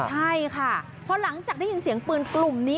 ใช่ค่ะพอหลังจากได้ยินเสียงปืนกลุ่มนี้